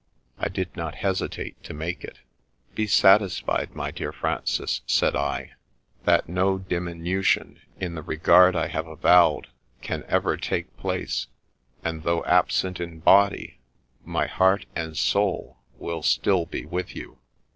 I did not hesitate to make it. ' Be satisfied, my dear Francis,' said I, ' that no diminution in the regard I have avowed can ever take place, and though absent in body, my heart and soul will 3till be with you.'